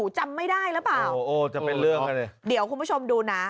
จำไม่ได้หรือเปล่าโอ้จะเป็นเรื่องกันเนี่ยเดี๋ยวคุณผู้ชมดูนะ